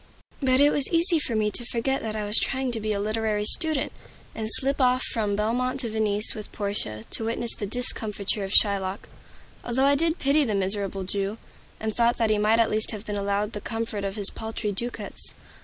But it was easy for me to forget that I was trying to be a literary student, and slip off from Belmont to Venice with Portia to witness the discomfiture of Shylock; although I did pity the miserable Jew, and thought he might at least have been allowed the comfort of his paltry ducats.